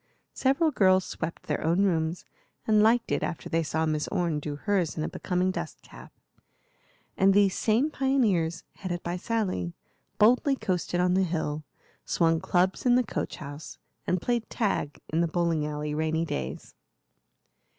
Several girls swept their own rooms, and liked it after they saw Miss Orne do hers in a becoming dust cap; and these same pioneers, headed by Sally, boldly coasted on the hill, swung clubs in the coach house, and played tag in the bowling alley rainy days.